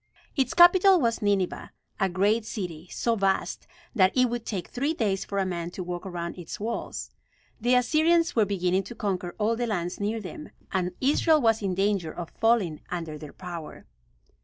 Its capital was Nineveh, a great city, so vast that it would take three days for a man to walk around its walls. The Assyrians were beginning to conquer all the lands near them, and Israel was in danger of falling under their power.